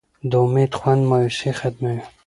د امید خوند مایوسي ختموي.